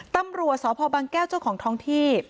ตำรวจสพบางแก้วเจ้าของท้องที่